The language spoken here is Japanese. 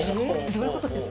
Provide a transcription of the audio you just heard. どういうことです？